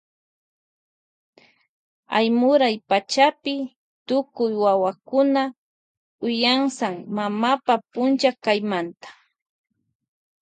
Aymuray pachapi tukuy wawakuna uyansan mamapa punlla kaymanta.